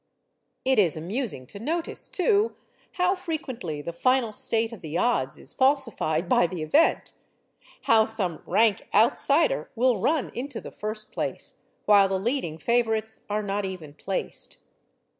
It is amusing to notice, too, how frequently the final state of the odds is falsified by the event; how some 'rank outsider' will run into the first place, while the leading favourites are not even 'placed.